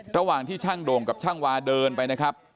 ระหว่างที่ช่างโด่งกับช่างวาเดินไปนะครับ